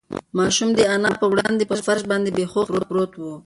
ماشوم د انا په وړاندې په فرش باندې بې هوښه پروت و.